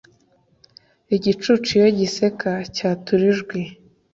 Igicucu iyo giseka, cyatura ijwi,